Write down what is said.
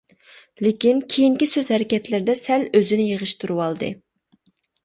لېكىن كېيىنكى سۆز-ھەرىكەتلىرىدە سەل ئۆزىنى يىغىشتۇرۇۋالدى.